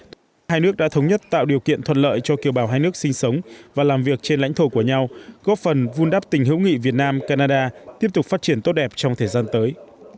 trong đó hai nước đã thống nhất tạo điều kiện thuận lợi cho kiều bào hai nước sinh sống và làm việc trên lãnh thổ của nhau góp phần vun đắp tình hữu nghị việt nam canada tiếp tục phát triển tốt đẹp trong thời gian tới